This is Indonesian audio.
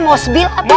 mau sebil atau